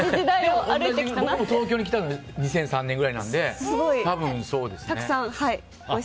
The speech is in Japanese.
僕も東京に来たのが２００３年ぐらいなので多分、そうですね。